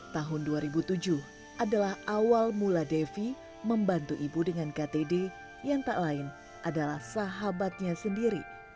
tahun dua ribu tujuh adalah awal mula devi membantu ibu dengan ktd yang tak lain adalah sahabatnya sendiri